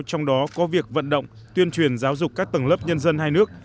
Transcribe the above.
trong đó có việc vận động tuyên truyền giáo dục các tầng lớp nhân dân hai nước